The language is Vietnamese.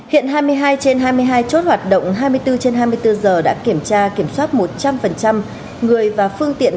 hiện hai mươi hai trên hai mươi hai chốt hoạt động hai mươi bốn trên hai mươi bốn giờ đã kiểm tra kiểm soát một trăm linh người và phương tiện